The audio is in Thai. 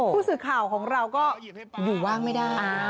ผู้สื่อข่าวของเราก็อยู่ว่างไม่ได้